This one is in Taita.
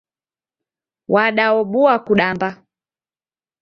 Wadaobua kudamba.